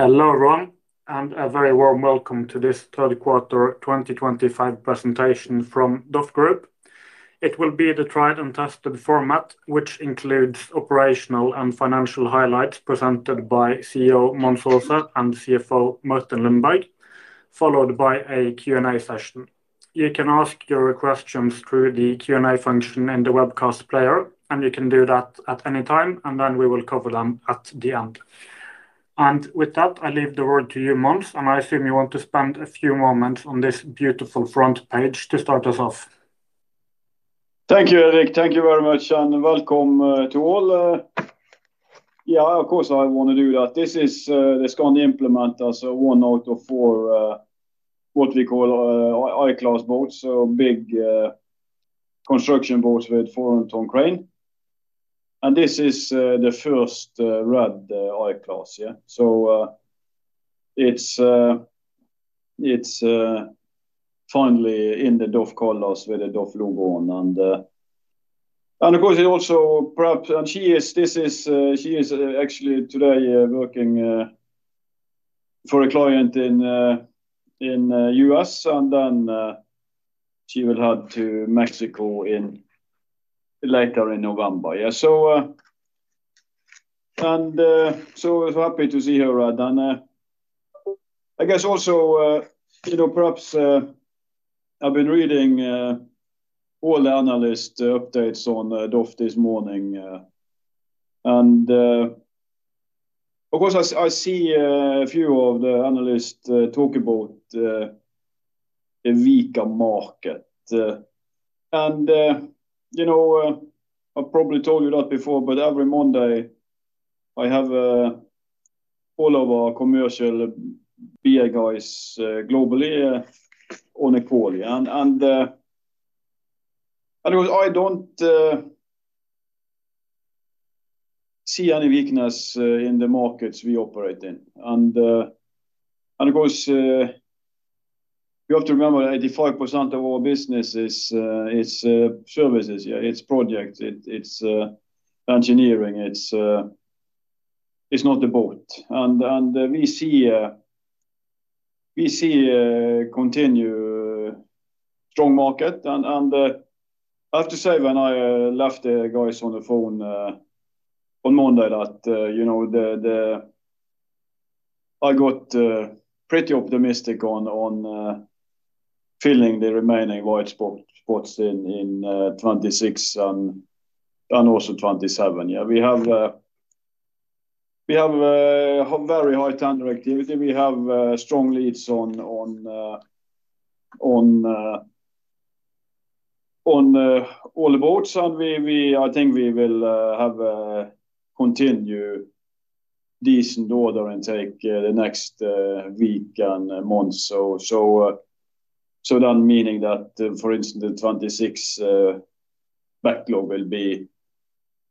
Hello everyone and a very warm welcome to this third quarter 2025 presentation from DOF Group. It will be the tried and tested format which includes operational and financial highlights presented by CEO Mons Aase and CFO Martin Lundberg followed by a Q&A session. You can ask your questions through the Q&A function in the webcast player and you can do that at any time and then we will cover them at the end. With that I leave the word to you Mons. I assume you want to spend a few moments on this beautiful front page to start us off. Thank you, Eric. Thank you very much and welcome to all. Yeah, of course I want to do that. This is. This can implement us a one out of four what we call I-class boats. So big construction boats with 400 ton crane and this is the first Red Eye class. Yeah. It's finally in the DOF colors with the DOF lube on. And of course it also perhaps and she is. This is. She is actually today working for a client in U.S. and then she will head to Mexico later in November. Yeah, so happy to see her done. I guess also, you know, perhaps I've been reading all the analyst updates on DOF this morning, and of course I see a few of the analysts talk about, and you know, I probably told you that before, but every Monday I have a follow, our commercial BI guys globally on equally, and I don't see any weakness in the markets we operate in. You have to remember 85% of our business is services. Yeah. It's project, it's engineering. It's not the boat. We see continued strong market, and I have to say when I left the guys on the phone on Monday, I got pretty optimistic on filling the remaining white spots in 2026 and also 2027. Yeah. We have. We have very high tender activity. We have strong leads on all the boats and I think we will have continue decent order intake the next week and months. That meaning that for instance the 2026 backlog will be,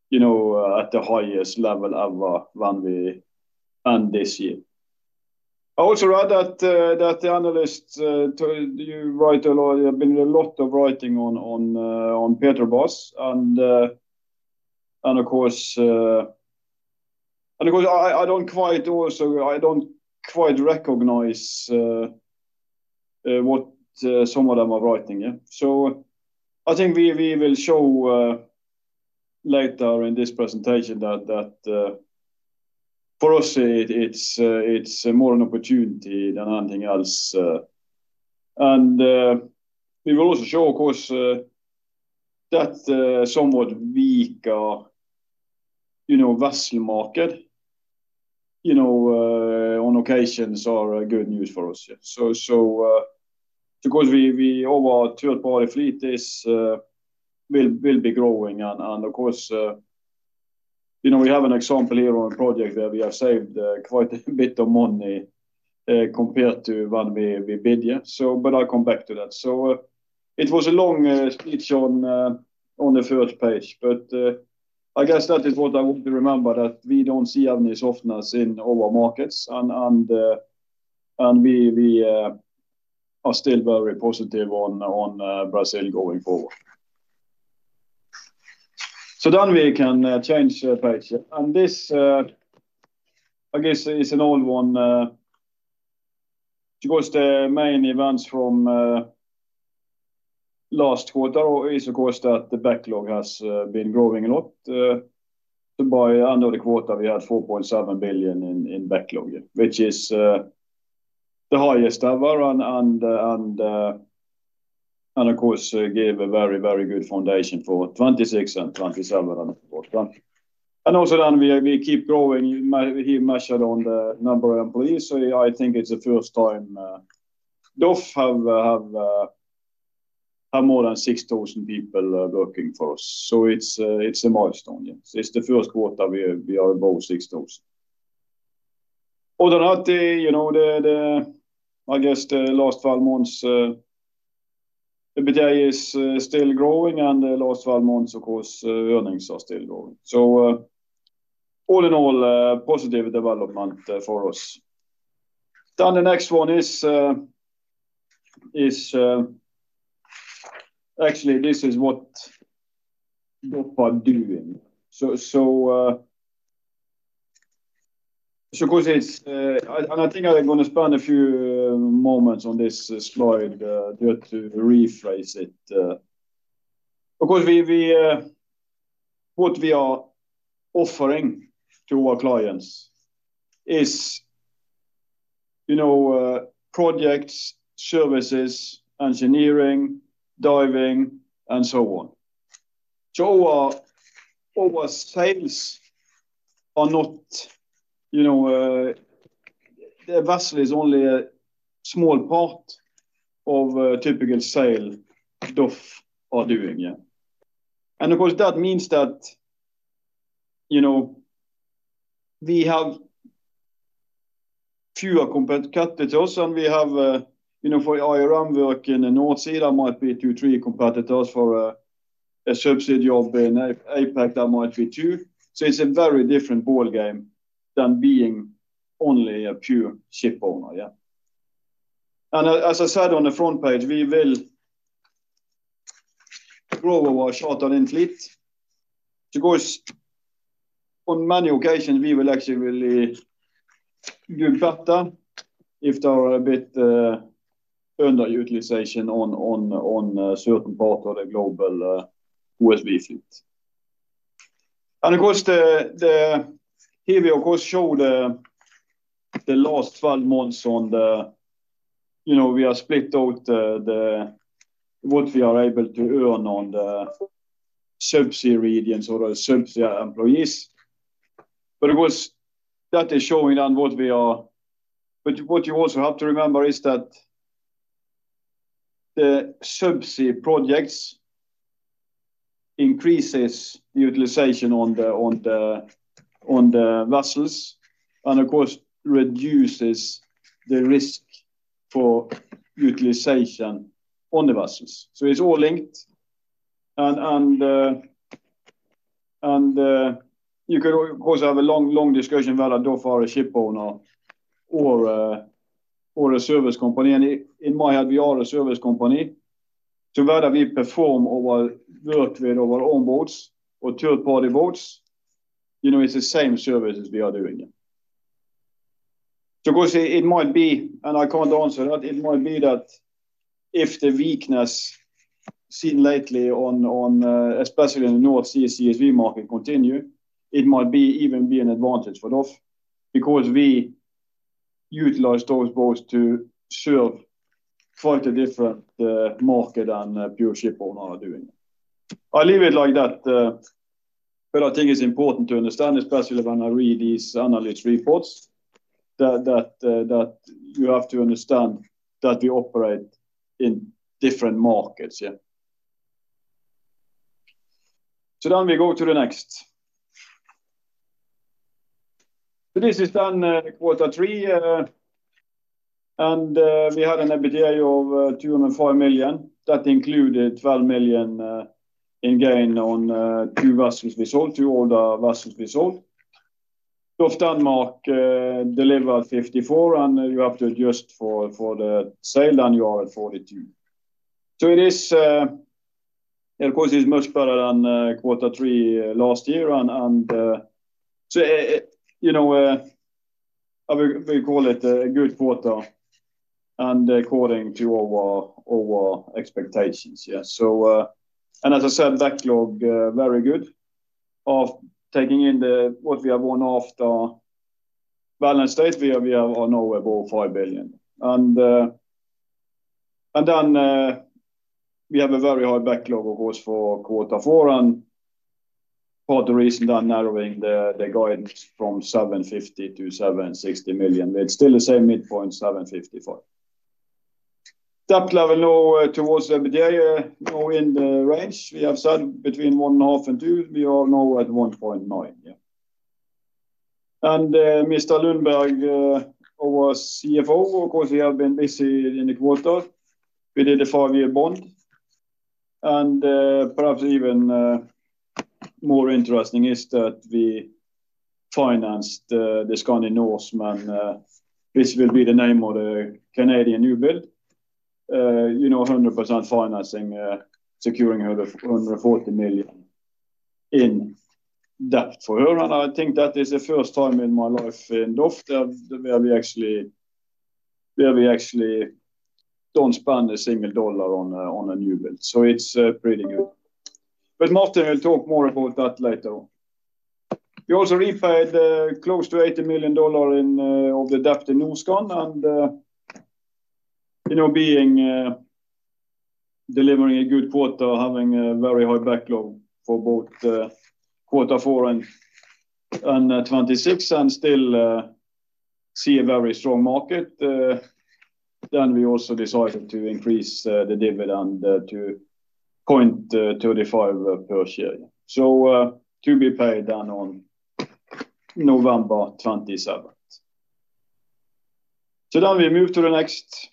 you know, at the highest level of when we end this year. I also read that the analysts, you write a lot. There have been a lot of writing on Petrobras and of course I don't quite also, I don't quite recognize what some of them are writing. Yeah. I think we will show later in this presentation that for us it's more an opportunity than anything else. We will also show, of course, that somewhat weak, you know, vessel market, you know, on occasions are good news for us. So because we over third party fleet this will be growing and of course you know we have an example here on project that we have saved quite a bit of money compared to one we bid. Yeah. I'll come back to that. It was a long speech on the first page but I guess that is what I want to remember, that we don't see any softness in our markets and we are still very positive on Brazil going forward. We can change page and this, I guess it's an old one because the main events from last quarter is of course that the backlog has been growing a lot. By another quarter we had $4.7 billion in backlog, which is the highest ever and of course gave a very, very good foundation for 2026 and 2027. Also, we keep growing, measured on the number of employees. I think it is the first time DOF have more than 6,000 people working for us. It is a milestone. Yes, it is the first quarter we are above 6,000. I guess the last 12 months EBITDA is still growing and the last 12 months, of course, earnings are still growing. All in all, positive development for us. The next one is actually this is what we are doing, and I think I am going to spend a few moments on this slide just to rephrase it because what we are offering to our clients is, you know, projects, services, engineering, diving, and so on. Our sales are not, you know, the vessel is only a small part of a typical sale DOF are doing. Yeah, and of course that means that, you know, we have fewer competitors and we have, you know, for IRM work in the North Sea, it might be two, three competitors. For a subsea job in APAC, that might be two. It's a very different ball game than being only a pure ship owner. Yeah, and as I said on the front page, we will grow our shorter-term fleet because on many occasions we will actually really do better if there is a bit of underutilization on certain parts of the global USB fleet. And of course, here we show the last 12 months. You know, we have split out what we are able to earn on the subsea radiance or subsea employees, but that is showing on what we are. What you also have to remember is that the subsea projects increase utilization on the vessels and of course reduce the risk for utilization on the vessels. It is all linked and you could of course have a long discussion whether a ship owner or a service company. In my head we are a service company, whether we perform or work with our own boats or third party boats. You know, it is the same services we are doing. It might be, and I cannot answer that, it might be that if the weakness seen lately, especially in the North CSV market, continues, it might even be an advantage for North because we utilize those boats to serve quite a different market than pure ship owners are doing. I leave it like that. I think it's important to understand, especially when I read these analyst reports, that you have to understand that we operate in different markets. Yeah. We go to the next. This is done quarter three and we had an EBITDA of $205 million that included $12 million in gain on two vessels. We sold two older vessels we sold off Denmark delivered 54 and you have to adjust for the sale and you are at 42. It is of course much better than quarter three last year. You know, we call it a good quarter and according to our expectations. Yeah, as I said, backlog very good of taking in the what we have one after balance date we have nowhere below $5 billion and then we have a very high backlog of course for quarter four. For the reason I'm narrowing the guidance from $750 million-$760 million. It's still the same midpoint, $755 million, depth level now towards the mid area. Now in the range we have said between one and a half and two, we are now at 1.9. Yeah, and Mr. Lundberg was CFO because he had been busy in the quarter. We did a five-year bond, and perhaps even more interesting is that we financed this kind of Norseman. This will be the name of the Canadian newbuild. You know, 100% financing, securing her $140 million in that for her. And I think that is the first time in my life and after the maybe actually where we actually don't spend a single dollar on a newbuild. So it's pretty good. But Martin will talk more about that later. We also referred close to $80 million in of the debt in NEWSCON and you know being delivering a good quarter, having a very high backlog for both Q4 and and 2026, and still see a very strong market. We also decided to increase the dividend to $0.35 per share, to be paid on November 27th. We move to the next.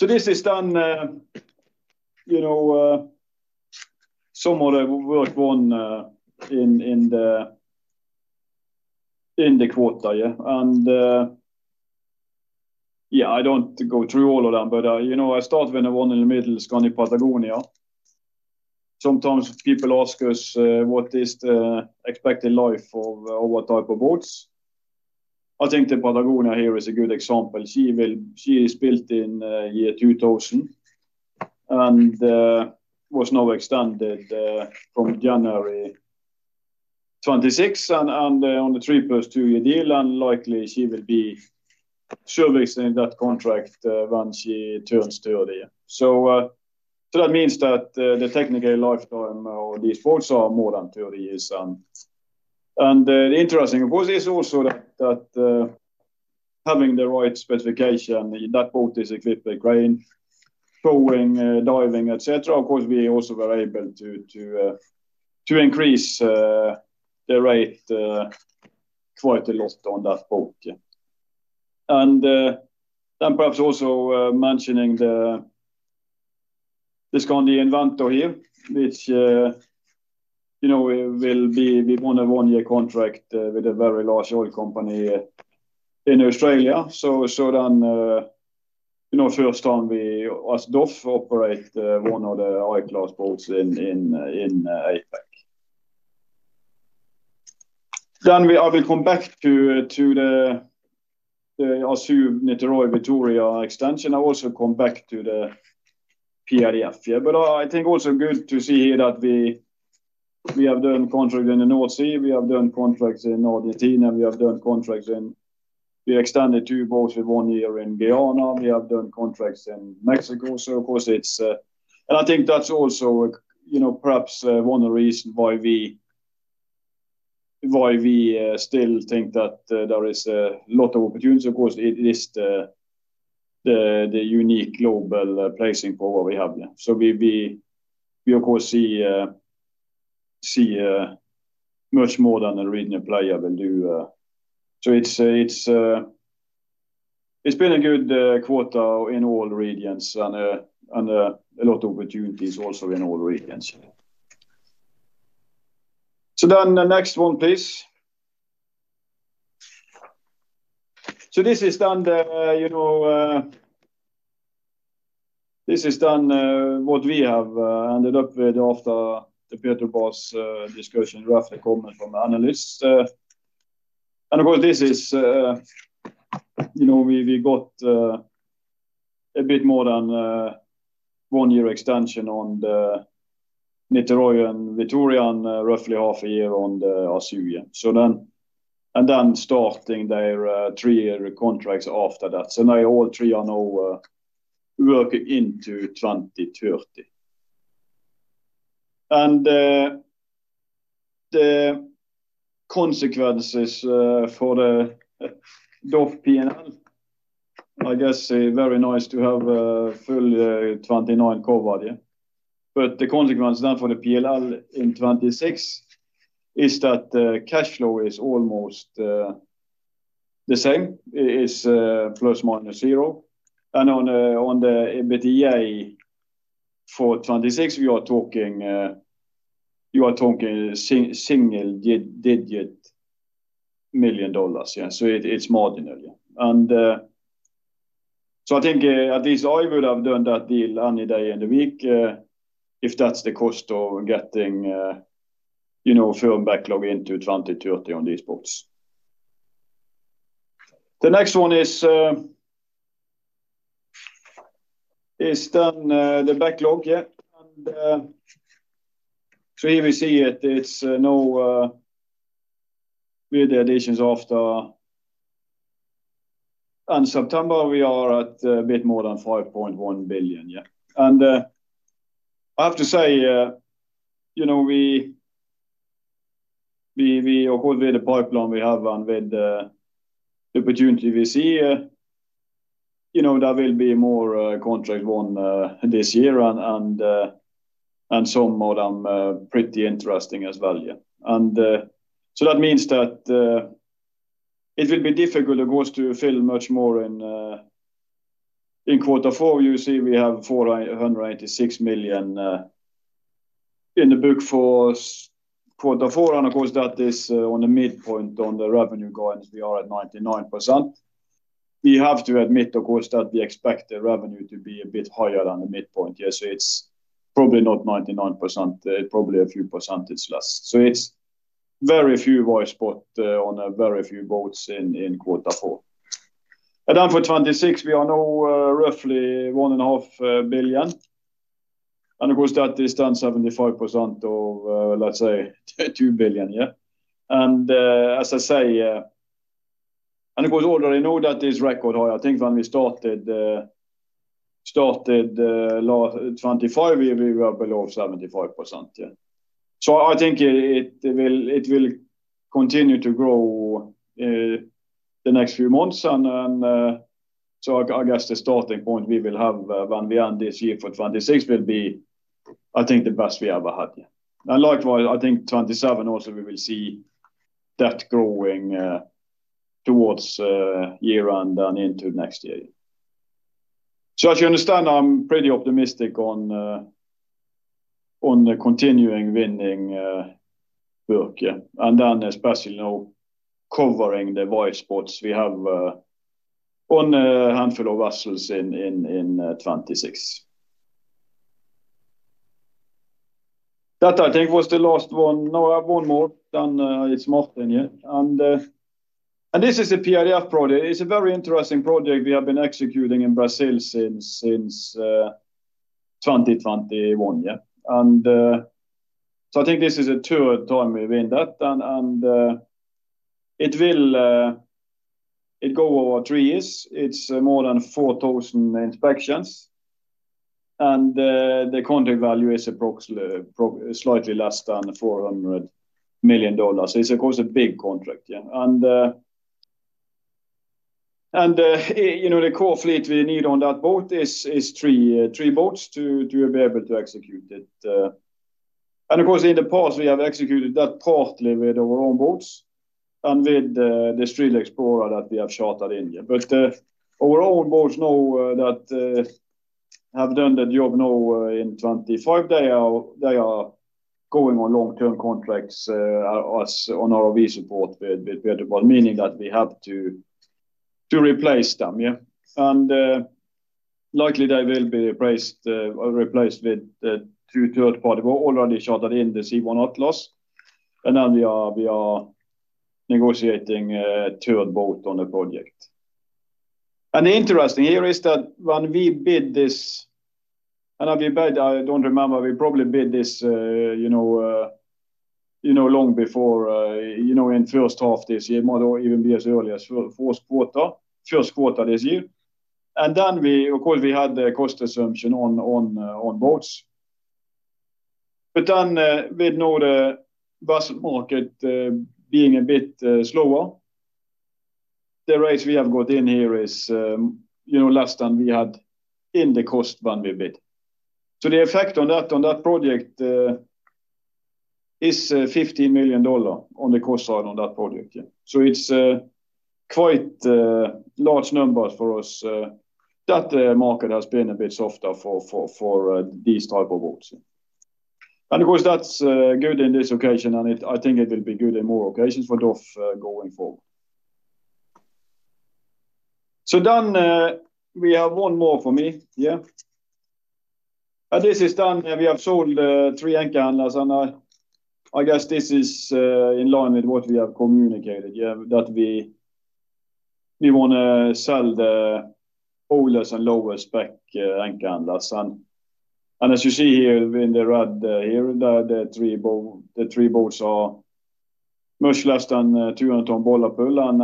This is done, you know, some of the work won in the quarter. Yeah, and yeah, I do not go through all of them, but you know, I start when I won in the middle Skandi Patagonia. Sometimes people ask us what is the expected life of what type of boats. I think the Patagonia here is a good example. She will. She is built in year 2000 and was now extended from January 26 and on the three plus two year deal. Unlikely she will be serviced in that contract when she turns 30. That means that the technical lifetime of these vessels are more than 30 years. The interesting of course is also that having the right specification, that boat is equipped with crane, towing, diving, etc. Of course we also were able to increase the rate quite a lot on that boat. Perhaps also mentioning the discontinued inventor here, which you know, we won a one year contract with a very large oil company in Australia. You know, first time we, us, DOF operate one of the high class boats in APAC. I will come back to the assumed Victoria extension. I also come back to the PRF but I think also good to see here that we have done contract in the North Sea, we have done contracts in Argentina, we have done contracts in. We extended two boats with one year in Guyana, we have done contracts in Mexico. Of course it's and I think that's also you know perhaps one of the reasons why we, why we still think that there is a lot of opportunities. Of course it is the, the unique global pricing for what we have here. We of course see much more than a reading player will do. It's been a good quarter in all regions and a lot of opportunities also in all regions. The next one please. This is done, you know this is done what we have ended up with after the Peter Boss discussion, roughly comment from the analysts and of course this is, you know, we got a bit more than one year extension on the Skandi Neptune, roughly half a year on the Assyria. Then starting their three-year contracts after that. Now all three are now working into 2030 and the consequences for the DOF P&L, I guess very nice to have a full 2029 cover. The consequence then for the P&L in 2026 is that the cash flow is almost the same. It is plus minus zero. On the EBITDA for 2026 you are talking single-digit million dollars. Yeah. It is more than a year. I think at least I would have done that deal any day in the week. If that's the cost of getting, you know, firm backlog into 2030 on these bots, the next one is done. The backlog. Yeah. Here we see it, it's no build additions after, on September we are at a bit more than $5.1 billion. Yeah. I have to say, you know, we, of course with the pipeline we have and with the opportunity we see, you know, there will be more contract won this year and some more. I'm pretty interesting as well. That means that it will be difficult of course to fill much more in quarter four. You see we have $496 million in the book for quarter four. Of course that is on the midpoint, on the revenue guidance, we are at 99%. We have to admit of course that we expect the revenue to be a bit higher than the midpoint. Yes. It's probably not 99%, probably a few percentage less so it's very few voice spots on very few boats in quarter four. For 2026 we are now roughly $1.5 billion. Of course that is done. 75% of let's say $2 billion. Yeah. As I say, and of course already know that this record high, I think when we started, started 2025, we were below 75%. Yeah. I think it will continue to grow the next few months. I guess the starting point we will have when we end this year for 2026 will be, I think, the best we ever had. Likewise, I think 2027 also we will see that growing towards year-end and into next year. As you understand, I'm pretty optimistic on the continuing winning book. Yeah. Especially now covering the voice ports we have on a handful of vessels in 2026. I think that was the last one. No, I have one more done. It's more than. Yeah. This is a PIDF project. It's a very interesting project we have been executing in Brazil since 2021. I think this is a two time within that and it will go over three years. It's more than 4,000 inspections and the contract value is approximately slightly less than $400 million. It's of course a big contract. And. You know, the core fleet we need on that boat is three boats to be able to execute it. Of course, in the past we have executed that partly with our own boats and with the Street Explorer that we have shot at India, but our own boats now that have done the job now in 2025, they are going on long term contracts, us on ROV support. Meaning that we have to replace them. Yeah, and likely they will be replaced or replaced with the two third party we already shot at in the C1 Atlas. We are negotiating two and both on the project. Interesting here is that when we bid this and I'll be bad, I don't remember, we probably bid this, you know. You know long before, you know in first half this year, might or even be as early as fourth quarter, first quarter this year. We of course had the cost assumption on boats, but then we know the bus market being a bit slower. The rates we have got in here is, you know, less than we had in the cost when we bid. The effect on that project is $15 million, the cost side on that project. It's quite large numbers for us. That market has been a bit softer for these type of boats and of course that's good in this occasion and it, I think it will be good in more occasions for DOF going forward. We have one more from me. Yeah, this is done. We have sold three anchor handlers and I guess this is in line with what we have communicated, that we want to sell the older and lower spec and can last. As you see here in the red here, the three boats are much less than 200 ton bollard pull and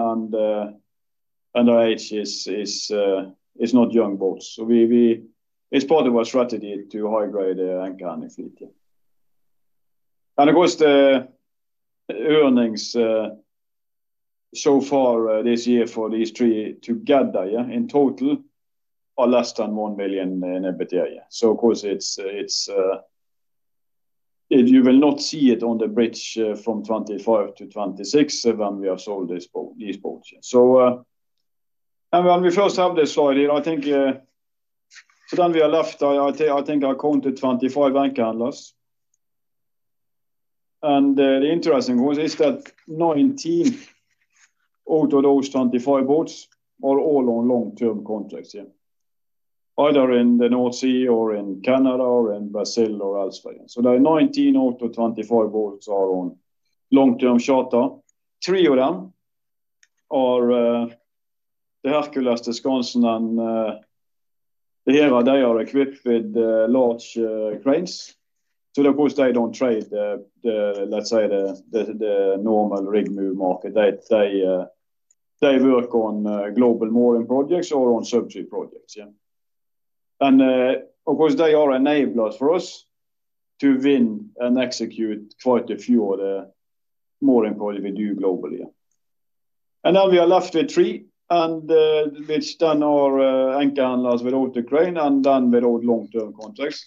on average, these are not young boats. It's part of our strategy to high grade anchor and fleet, and of course the earnings so far this year for these three together in total are less than $1 million in EBITDA. Of course, it's if you will not see it on the bridge from 2025-2026 when we have sold this boat. When we first have this slide here, I think, then we are left, I think I counted 25 anchor handlers, and the interesting one is that 19 out of those 25 boats are all on long-term contracts. Either in the North Sea or in Canada or in Brazil or elsewhere. There are 19 AHTS, 25 vessels are on long term charter, three of them are the Hercules constant. They are equipped with large cranes. Of course they don't trade the, let's say, the normal rig move market. They work on global mooring projects or on subsea projects. Yeah, and of course they are enablers for us to win and execute quite a few other, more importantly, we do globally. Now we are left with three, and it's done, our anchor handlers with all the crane and then with all long term contracts,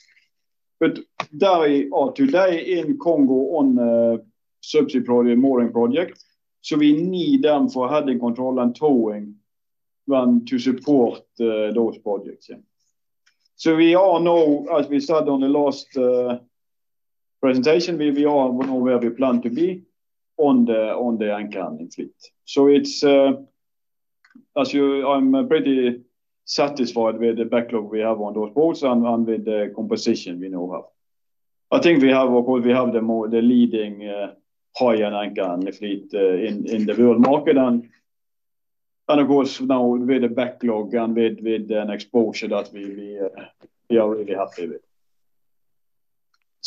but they are today in Congo on subsea project, mooring project, so we need them for heading control and towing, one to support those projects. As we said on the last presentation, we all know where we plan to be on the anchoring fleet. I'm pretty satisfied with the backlog we have on those boats and with the composition we now have. I think we have, of course, the leading AHTS fleet in the world market, and now with the backlog and with an exposure that we are really happy with.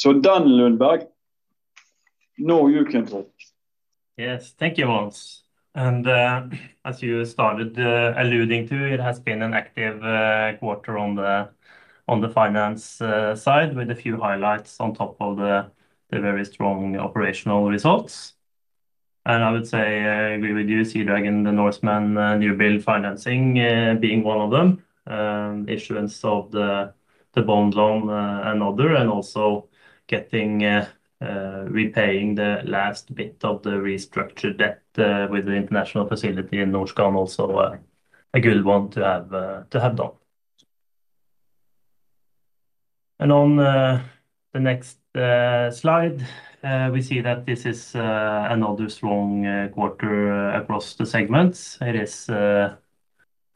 Martin Lundberg, you can talk. Yes, thank you once, and as you started alluding to, it has been an active quarter on the finance side with a few highlights on top of the very strong operational results. I would say I agree with you, Sea Dragon, the Northman newbuild financing being one of them, issuance of the bond loan another, and also repaying the last bit of the restructured debt with the international facility in Norsegal. A good one to have done. On the next slide, we see that this is another strong quarter across the segments. It is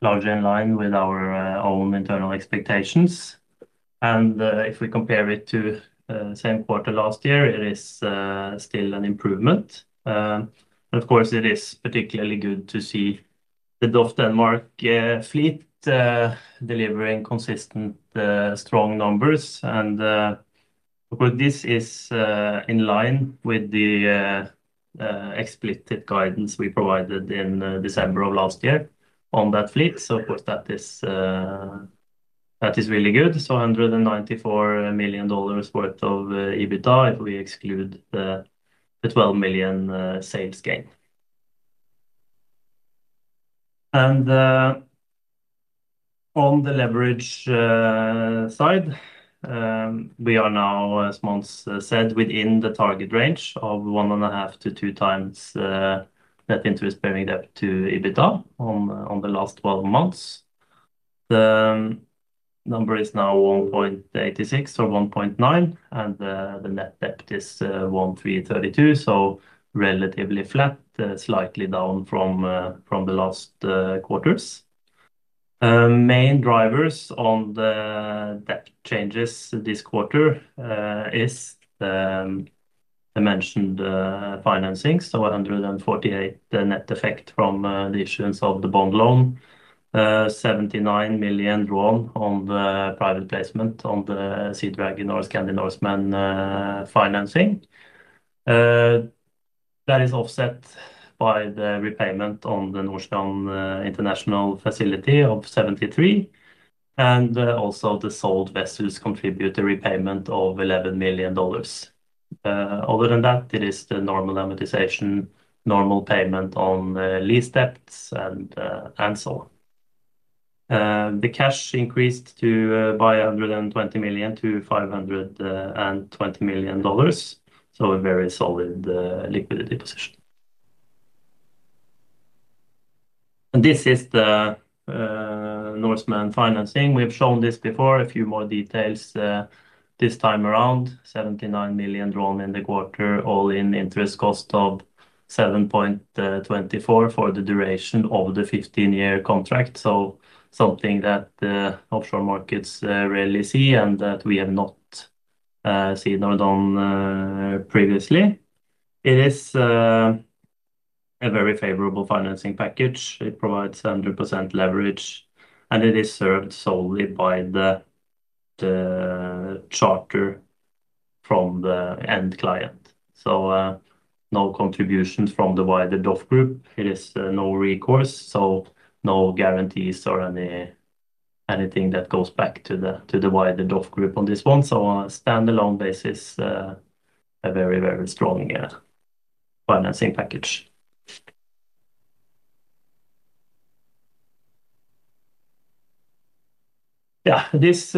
largely in line with our own internal expectations, and if we compare it to the same quarter last year, it is still an improvement. Of course it is particularly good to see the DOF Group fleet delivering consistent strong numbers and this is in line with the explicit guidance we provided in December of last year on that fleet. That is really good. $194 million worth of EBITDA if we exclude the $12 million sales gain On the leverage side we are now as Mons said within the target range of 1.5x-2x net interest-bearing debt to EBITDA on the last 12 months the number is now 1.86 or 1.9 and the net debt is $1,332 million. So relatively flat slightly down from the last quarters. Main drivers on the debt changes this quarter as I mentioned financing so $148 million net effect from the issuance of the bond loan $79 million from the private placement on the Sea Dragon financing that is offset by the repayment on the Nordea syndicated facility of $73 million. And also the sold vessels contribute a repayment of $11 million. Other than that it is the normal amortization, normal payment on lease debts and so on. The cash increased by $120 million-$520 million. So a very solid liquidity position. This is the Norseman financing. We have shown this before. A few more details this time around, 79 million in the quarter, all-in interest cost of 7.24% for the duration of the 15-year contract. Something that the offshore markets rarely see and that we have not signaled on previously. It is a very favorable financing package. It provides 100% leverage and it is served solely by the charter from the end client. No contributions from the wider DOF Group. It is no recourse, so no guarantees or anything that goes back to the wider DOF Group on this one. On a standalone basis, a very, very strong financing package. This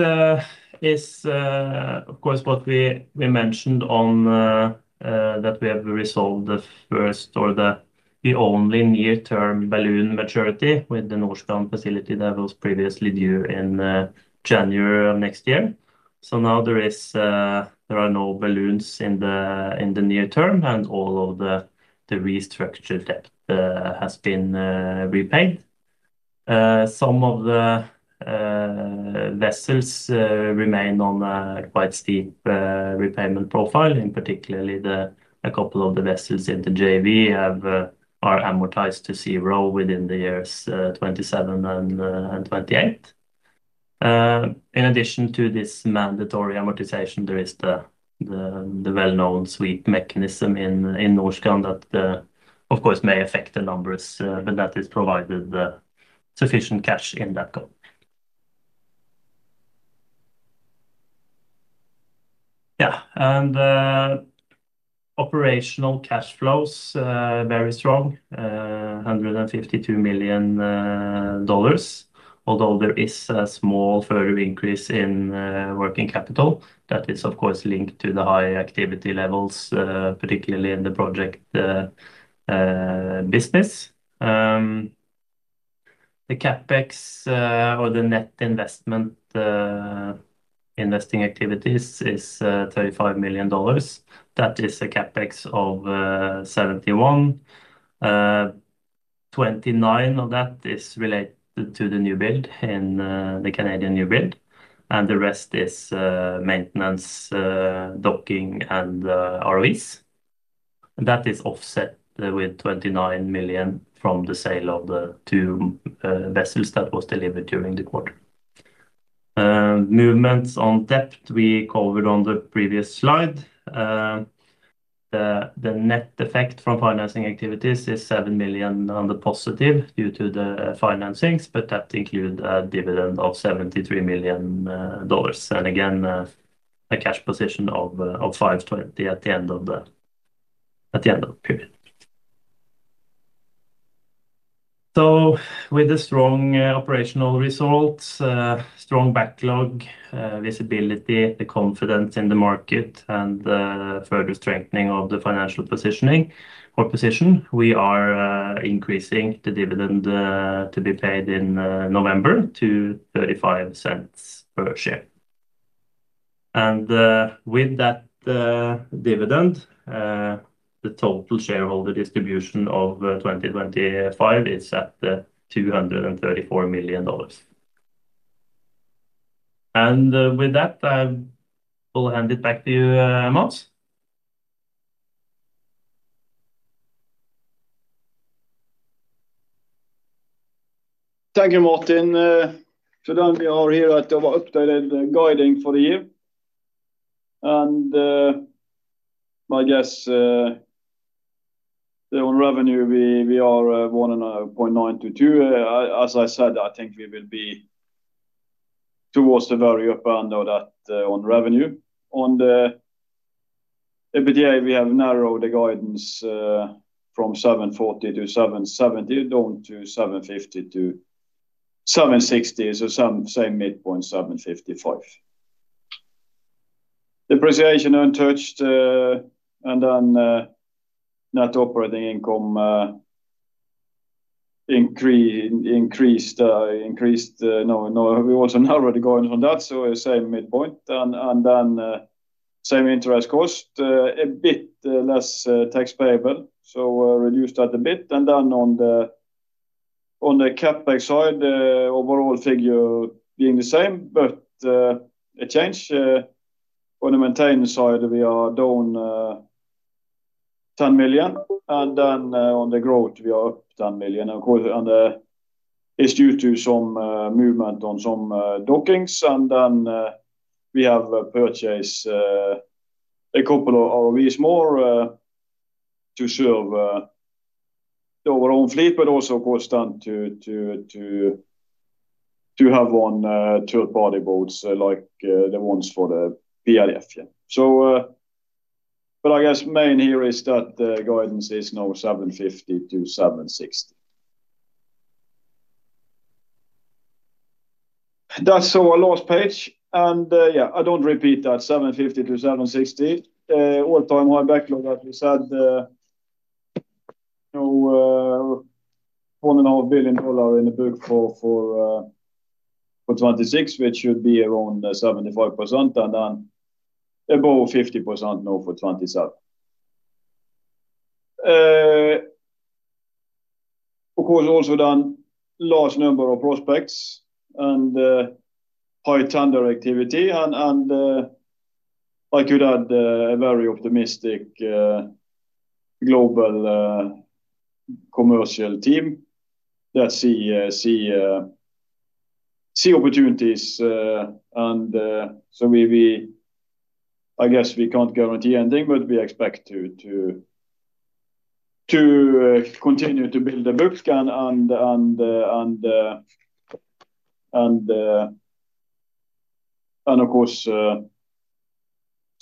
is of course what we mentioned on that we have resolved the first or the only near term balloon maturity with the Norseman facility that was previously due in January of next year. There are no balloons in the near term and all of the restructured debt has been repaid. Some of the vessels remain on a quite steep repayment profile. In particular a couple of the vessels in the JV are amortized to zero within the years 2027 and 2028. In addition to this mandatory amortization there is the well known sweep mechanism in Norseman that of course may affect the numbers but that is provided sufficient cash in that case. And operational cash flows very strong $152 million. Although there is a small further increase in working capital that is of course linked to the high activity levels particularly in the project business. The CAPEX or the net investment investing activities is $35 million. That is a CAPEX of $71 million. $29 million of that is related to the new build and the Canadian new build and the rest is maintenance, docking and ROVs. That is offset with $29 million from the sale of the two vessels that was delivered during the quarter movements. On debt we covered on the previous slide. The net effect from financing activities is $7 million on the positive due to the financings but that include a dividend of $73 million and a cash position of $520 million at the end of the period. With the strong operational results, strong backlog visibility, the confidence in the market and the further strengthening of the financial positioning or position, we are increasing the dividend to be paid in November to $0.35 per share. With that dividend, the total shareholder distribution of 2025 is at $234 million. With that, I will hand it back to you Mons. Thank you, Martin. We are here at our updated guiding for the year, and my guess on revenue, we are $1,092.2 million. As I said, I think we will be towards the very up and all that on revenue. On the EBITDA, we have narrowed the guidance from $740 million-$770 million down to $750 million-$760 million, so same midpoint, $755 million. Depreciation untouched, and then net operating income increased. We also now already go in on that. Same midpoint, and then same interest cost, a bit less tax payable, so reduced that a bit. On the CapEx side, overall figure being the same, but a change on the maintenance side, we are down $10 million, and then on the growth, we are $10 million. Of course it's due to some movement on some dockings and then we have purchased a couple of roes more to serve our own fleet but also of course done to have on third party boats like the ones for the PIF. So but I guess main here is that the guidance is now 750-760. That's our last page and yeah I don't repeat that 750 to 760 all time high backlog that we said no one and a half billion dollar in the book for for 26 which should be around 75% and then above 50 no for 27 of course also done large number of prospects and high tender activity and I could add a very optimistic global commercial team that see opportunities and so maybe I guess we can't guarantee anything but we expect to continue to build a boobs scan and of course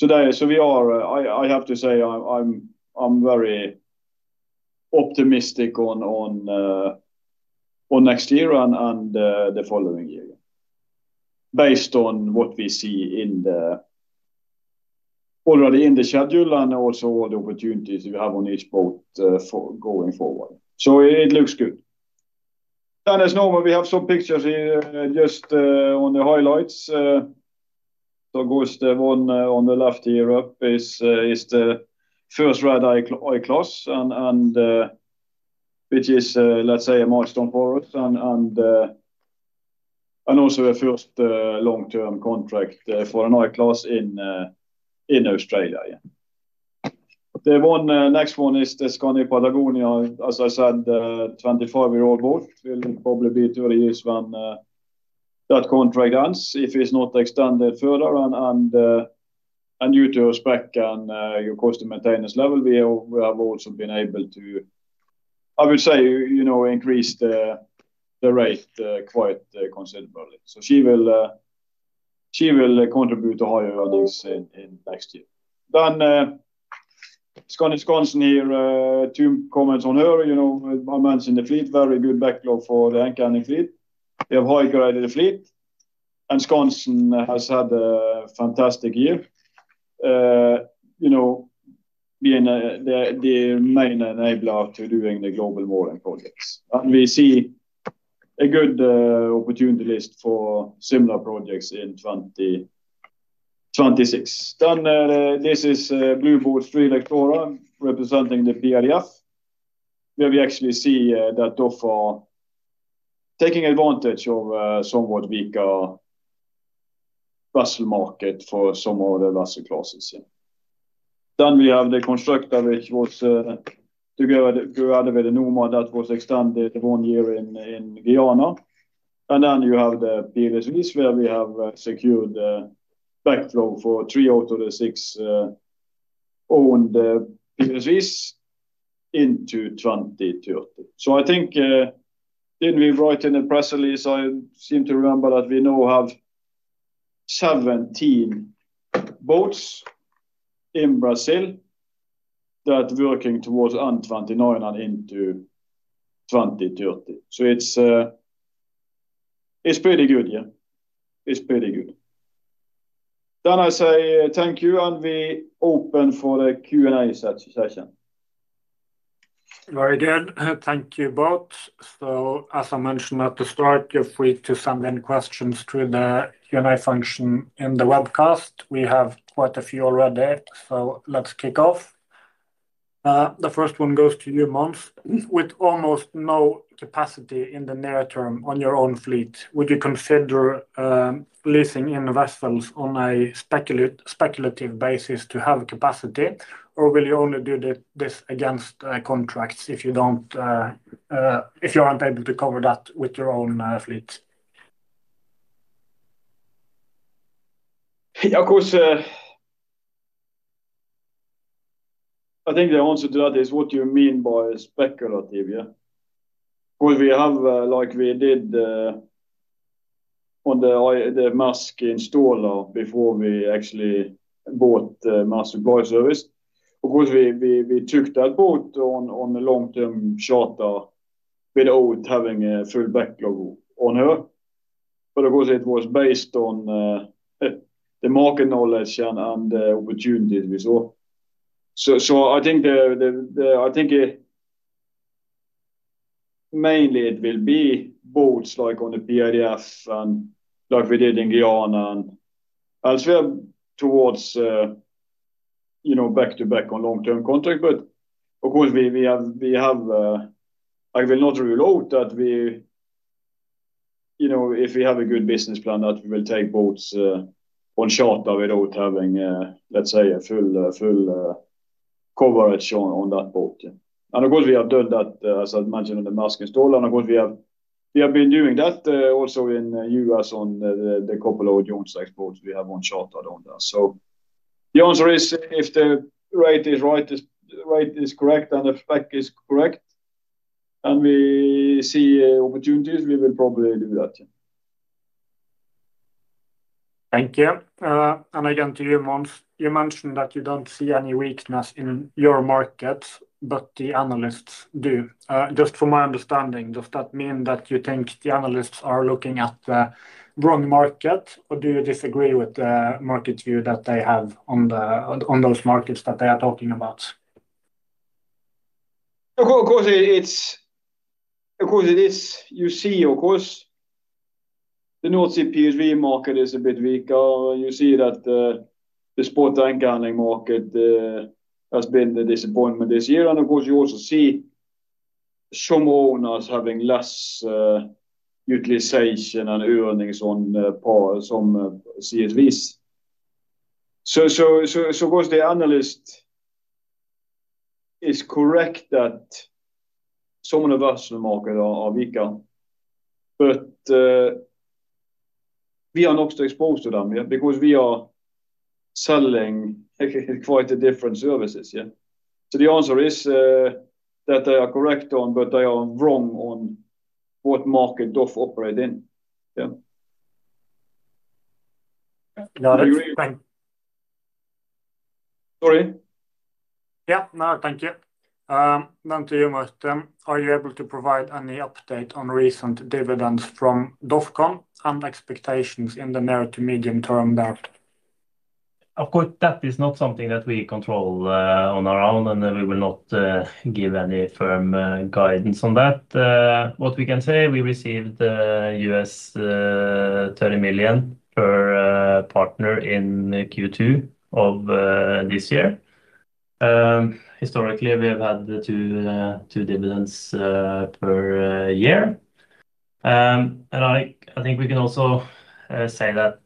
today so we are I have to say I'm very optimistic on next year and the following year based on what we see in the already in the schedule and also all the opportunities you have on each boat for going forward. So it looks good and as normal we have some pictures here just on the highlights. So goes the one on the left here up is. Is the first red eye class and and which is let's say a milestone for us and and and also a first long term contract for an I class in. In Australia. The one next one is Tuscany Patagonia As I said 25 year old boat will probably be 30 years when that contract ends if it's not extended further and utilize your cost of maintenance level. We have also been able to I would say you know increased the rate quite considerably. So she will, she will contribute to higher earnings in next year then. Scottish constant here. 2 comments on her you know moments in the fleet. Very good backlog for the anchoring fleet. They have high quality fleet and Sconson has had a fantastic year. You know being the, the main enabler to doing the global waring projects and we see a good opportunity list for similar projects in 2026. Then this is Blue Board 3 electoral representing the BLF where we actually see that of taking advantage of somewhat weaker bustle market for some of the Russell classes. Then we have the constructor which was together with the new MOD that was extended one year in, in Guyana. And then you have the PSVs where we have secured backflow for three out of the six owned PSVs into 2020. So I think then we write in the press release I seem to remember that we now have 17 boats in Brazil that working towards UN 29 and into 2030. So it's, it's pretty good. Yeah, it's pretty good. Then I say thank you and we open for the Q and A session. Very good, thank you both. So as I mentioned at the start you're free to send in questions through the Q and A function in the webcast. We have quite a few already. So let's kick off. The first one goes to you Mons. With almost no capacity in the near term on your own fleet would you consider leasing in vessels on a speculative basis to have capacity or will you only do the this against contracts if you don't. If you're unable to cover that with your own fleet. Of course I think the answer to that is what you mean by speculative. Yeah, well we have like we did on the, the mask installer before we actually bought mass supply service because we, we took that boat on, on the long term shorter without having a full back logo on her. But of course it was based on the market knowledge and opportunities we saw. So, so I think the, the I think it mainly it will be boards like on the PIDF and like we did in Guyana elsewhere towards you know back to back on long term contract. But of course we have, we have. I will not reload that. We you know if we have a good business plan that we will take boats on short of it out having let's say a full, full coverage on that boat. And of course we have done that as I mentioned on the mask installer and of course we have. We have been doing that also in us on the couple of Jones exports. We have on charter on that. So the answer is if the rate is right, right is correct and the spec is correct and we see opportunities. We will probably do that. Thank you. And again to you Mons. You mentioned that you don't see any weakness in your market but the analysts do. Just from my understanding. Does that mean that you think the analysts are looking at the wrong market or do you disagree with the market view that they have on the. On those markets that they are talking about? Of course it's. Of course it is. You see of course the North CP3 market is a bit weaker. You see that the spot and garnering market has been the disappointment this year. And of course you also see some owners having less utilization and earnings on pause on CSVs. So. So. So was the analyst is correct that someone of us in the market are weaker but we are not exposed to them because we are selling quite a different services. Yeah. So the answer is that they are correct on but they are wrong on what market DOF operate in. Yeah, sorry. Yeah, no, thank you. Down to you, Mons. Are you able to provide any update on recent dividends from DOFcon and expectations in the near to medium term? There of course that is not something that we control on our own and we will not give any firm guidance on that. What we can say we received 30 million per partner in Q2 of this year. Historically we have had the 2. 2 dividends per year. And I. I think we can also say that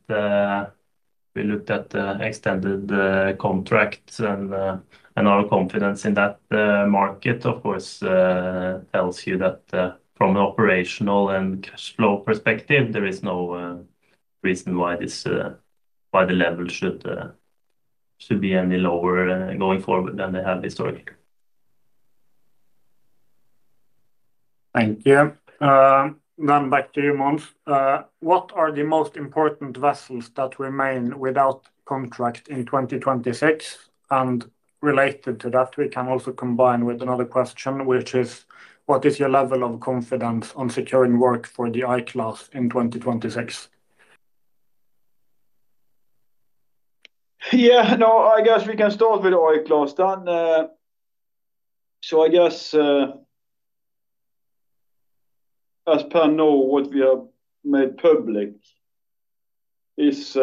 we looked at the extended contracts and. And our confidence in that market of course tells you that from the operational and cash flow perspective there is no reason why this by the level should be any lower going forward than they have historically. Thank you. Back to you Mons. What are the most important vessels that remain without contract in 2026? Related to that, we can also combine with another question, which is what is your level of confidence on securing work for the I-class in 2026? Yeah. No, I guess we can start with I-class done. So I guess as per. No, what we have made public is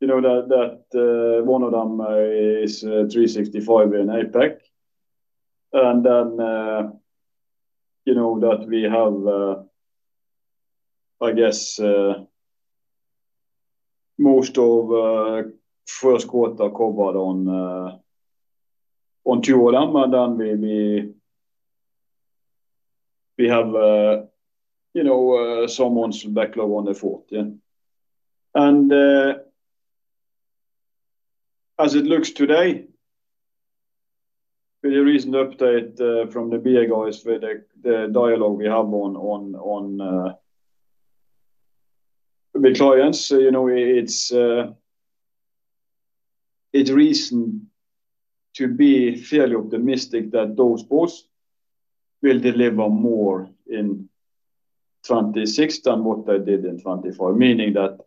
you know that that one of them is 365 in APAC. And then you know that we have I guess most of first quarter cobalt on on two or number. Then maybe we have you know Subsea's backlog on the fourth. Yeah. And as it looks today with the recent update from the Bago is with the dialogue we have on the clients, you know, it's reason to be fairly optimistic that those boats will deliver more in 2026 than what they did in 2024. Meaning that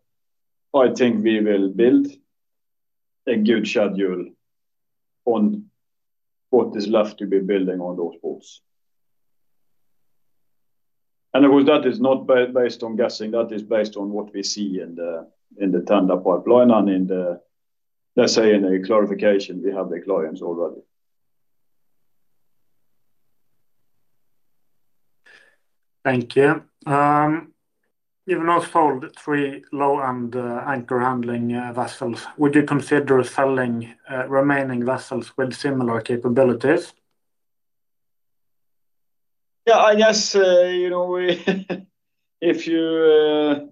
I think we will build a good schedule on what is left to be booking on those boats. And of course that is not based on guessing. That is based on what we see in the tender pipeline and in the, let's say, in a clarification. We have the clients already. Thank you. You've now sold three low end anchor handling vessels. Would you consider selling remaining vessels with similar capabilities? Yeah, I guess. You know, if you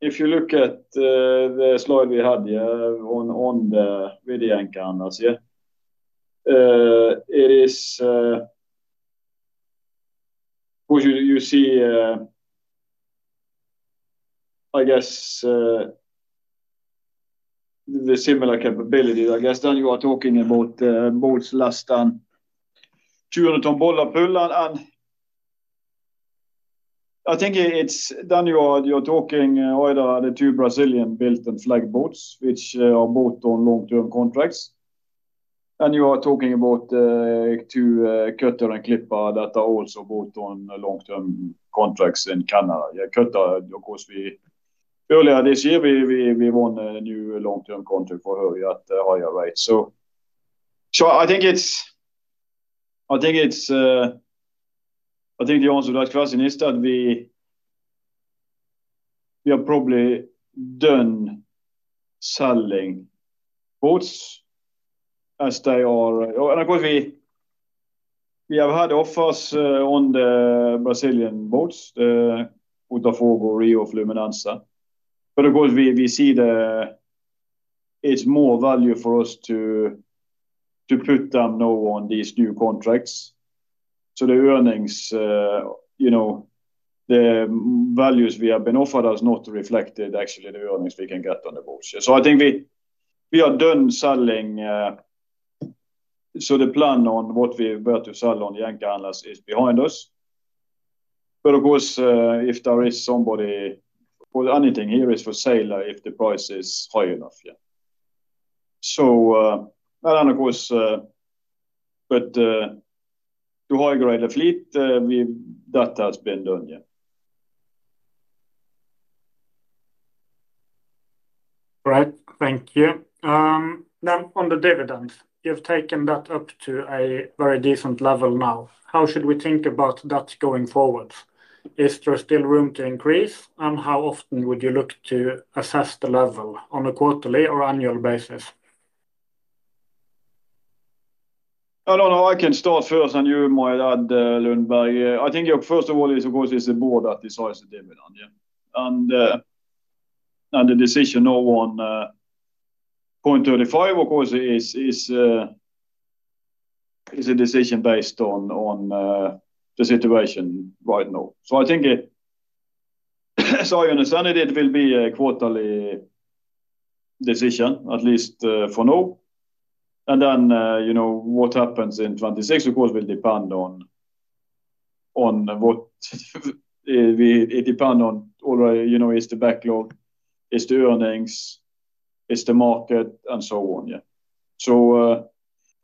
look at the slide we had here on the video anchor handlers. Here it is. Would you see, I guess, the similar capabilities? I guess then you are talking about boats less than, I think it's, Daniel, you're talking either the two Brazilian built and flag boats which are both on long term contracts, and you are talking about Cutter and Clipper that are also both on long term contracts in Canada. Yeah, of course, earlier this year we won a new long term contract for her at the higher rate. I think the answer to that question is that we are probably done selling boats as they are. Of course, we have had offers on the Brazilian boats, the Utafogory of luminance. But of course we, we see the, it's more value for us to. To put them now on these new contracts. So the earnings, you know the values we have been offered has not reflected actually the earnings we can get on the board. So I think we, we are done selling. So the plan on what we were to sell on Yankee Analas is behind us. But of course if there is somebody put anything here is for sale. If the price is high enough. Yeah. So of course, but to high grade a fleet. That has been done yet. Right. Thank you. Now on the dividend, you've taken that up to a very decent level. Now how should we think about that going forward? Is there still room to increase and how often would you look to assess the level on a quarterly or annual basis? I don't know. I can start first on you, my dad. I think your first of all is of course it's the board that decides to divide on you. And, and the decision. No. 1.35 of course is, is, is a decision based on. On the situation right now. So I think it, as I understand it it will be a quarterly decision at least for now. And then you know what happens in 26 of course will depend on. On what we. It depend on. All right. You know, is the backlog is the earnings, is the market and so on. So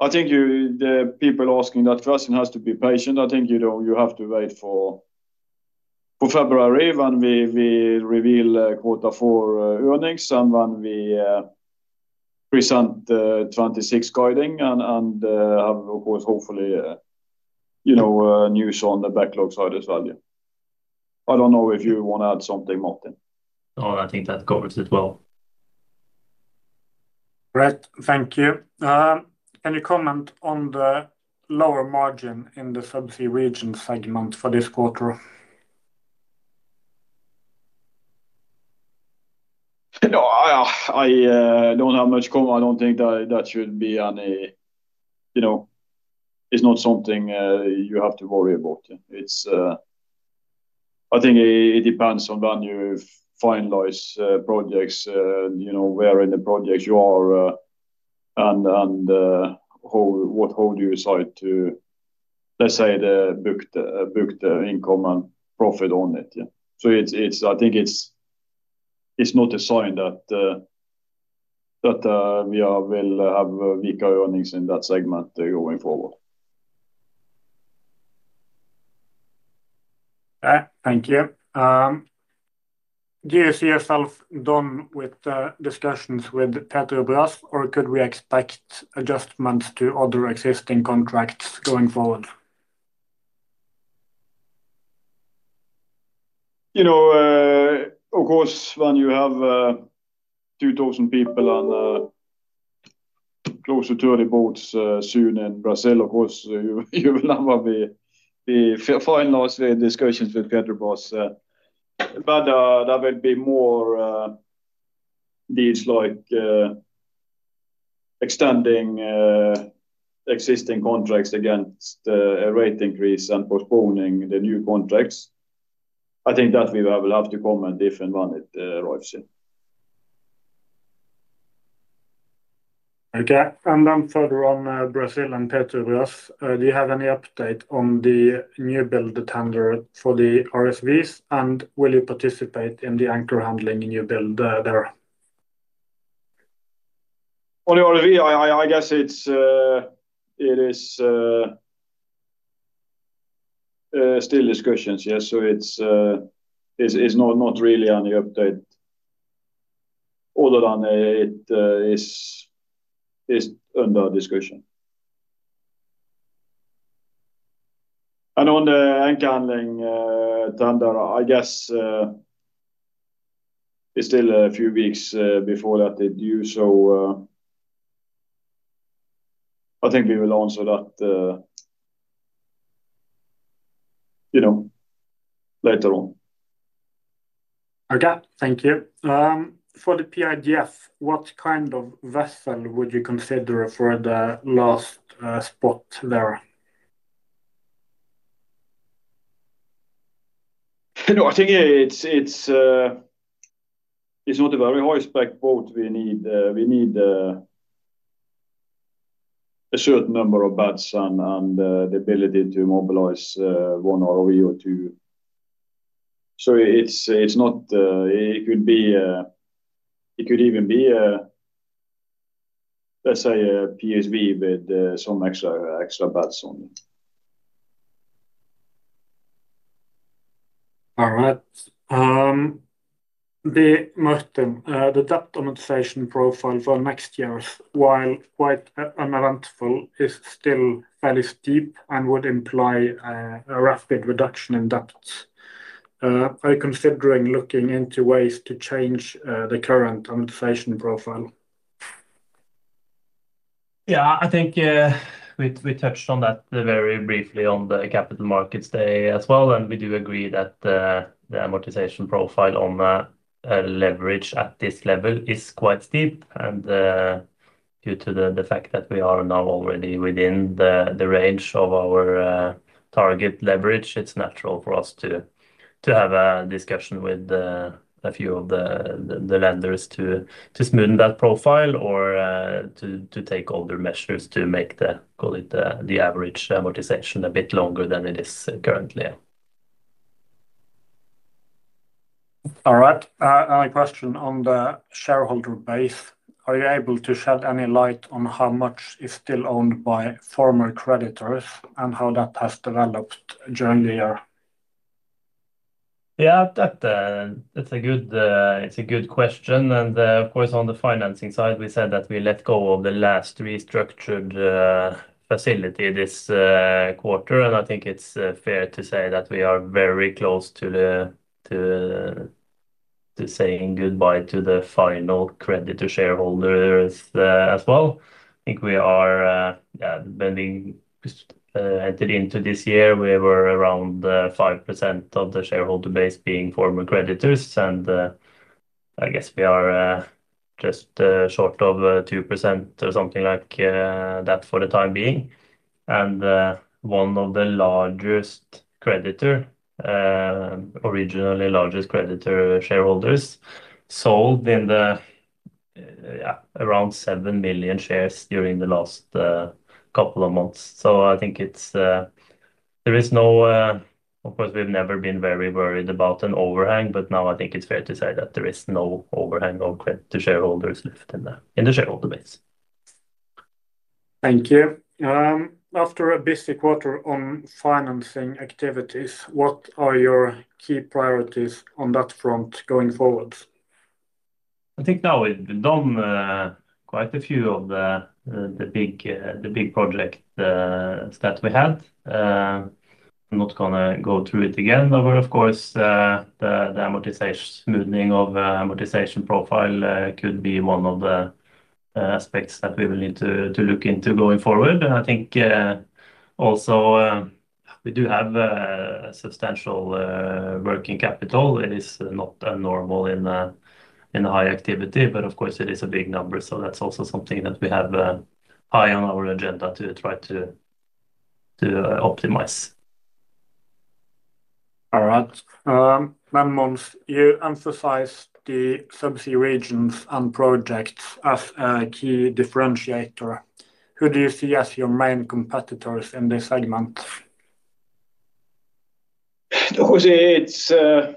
I think you the people asking that question has to be patient. I think you know, you have to wait for. For February when we reveal quota for earnings and when we present 26 guiding and of course hopefully you know, news on the backlog side as value. I don't know if you want to add something, Martin. Oh, I think that covers it. Well. Great, thank you. Can you comment on the lower margin in the subsea region segment for this quarter? No, I. I don't have much comma. I don't think that that should be any. You know, it's not something you have to worry about. It's. I think it depends on when you finalize projects, you know, where in the projects you are and how do you decide to let's say the booked income and profit on it. So I think it's not a sign. That we will have VK earnings in that segment going forward. Thank you. Gsell done with discussions with Peter Bras or could we expect adjustments to other existing contracts going forward? You know, of course when you have 2000 people on close to 30 boats soon in Brazil, of course you will never be final discussions with Ketter boss, but there will be more deals like extending existing contracts against a rate increase and postponing the new contracts. I think that we will have to comment if and when it arrives in. Okay. And then further on Brazil and Peter with us. Do you have any update on the new build, the tender for the RSVs and will you participate in the Anchorage handling new build there. [Olio rv?] I guess it is still discussions. Yes. So it's not really any update other than it is under discussion and on the handling Thunder. I guess still a few weeks before that they do. So I think we will answer that, you know, later on. Okay. Thank you for the pidf. What kind of vessel would you consider for the last spot there? I think it's. It's. It's not a very high spec boat. We need. We need a certain number of bats and the ability to mobilize one ROE or two. So it's. It's. Not. It could be. It could even be a. Let's say a PSV with some extra, extra bats on it. All right. The debt amortization profile for next year, while quite uneventful, is still fairly steep and would imply a rapid reduction in depths. Are you considering looking into ways to change the current amortization profile? Yeah, I think we touched on that very briefly on the capital markets day as well. We do agree that the amortization profile on leverage at this level is quite steep. Due to the fact that we are now already within the range of our target leverage, it's natural for us to have a discussion with a few of the lenders to smoothen that profile or to take other measures to make, call it, the average amortization a bit longer than it is currently. All right. Another question on the shareholder base, are you able to shed any light on how much is still owned by former creditors and how that has developed during the year? Yeah, that's a good. It's a good question. Of course on the financing side we said that we let go of the last restructured facility this quarter and I think it's fair to say that we are very close to the. To saying goodbye to the final credit to shareholders as well. I think we are bending entered into this year we were around 5% of the shareholder base being former creditors and I guess we are just short of 2% or something like that for the time being. One of the largest creditor originally largest creditor shareholders sold in the. Yeah around 7 million shares during the last couple of months. I think it's. There is no. Of course we've never been very worried about an overhang but now I think it's fair to say that there is no overhang or credit to shareholders left in the. In the shareholder base. Thank you. After a busy quarter on financing activities, what are your key priorities on that front going forward? I think now we've done quite a few of the big project that we had. I'm not gonna go through it again. However of course the amortization. Smoothing of amortization profile could be one of the aspects that we will need to look into going forward. And I think also we do have a substantial working capital. It is not normal in. In high activity but of course it is a big number. So that's also something that we have high on our agenda to try to optimize. All right, Mons Aase, you emphasize the subsea regions and projects as a key differentiator. Who do you see as your main competitors in this segment? Because it's. I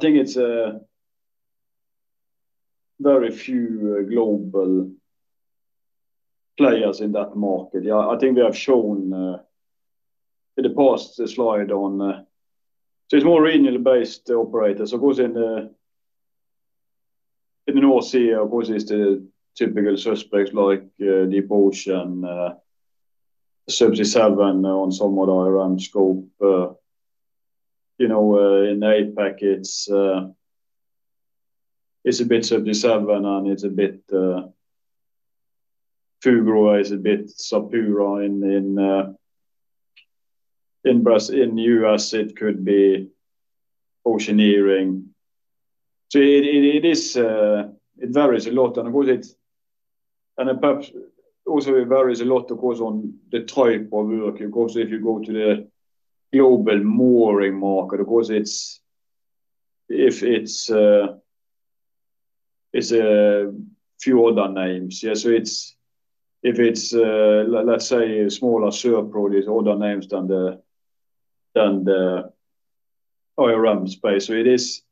think it's a very few global players in that market. Yeah, I think we have shown in the past the slide on. So it's more regional based operators of course in the. In the North Sea of course is the typical suspects like the portion of. On some other scope, you know in eight packets. It's a bit 77 and it's a bit fugue is a bit Sapura in brass in U.S. it could be oceaneering. So it varies a lot and would it and perhaps also it varies a lot of course on the type of work. Of course if you go to the global mooring market because it's if it's, it's a few other names. Yeah. So it's if it's let's say a smaller serve produce all the names than the than the oil rum space. So it is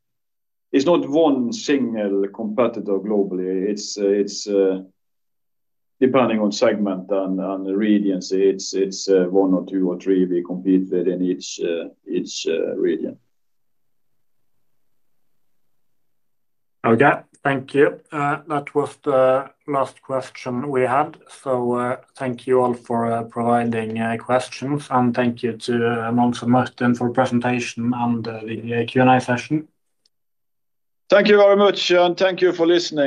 not one single competitor globally. It's depending on segment and radiancy. It's one or two or three. We compete within each region. Okay, thank you. That was the last question we had. So thank you all for providing questions and thank you to Mancer Muhten for presentation and the Q&A session. Thank you very much and thank you for listening.